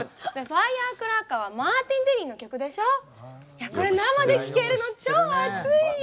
いやこれ生で聴けるの超アツいよ！